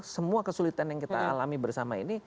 semua kesulitan yang kita alami bersama ini